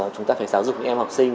chúng ta phải giáo dục những em học sinh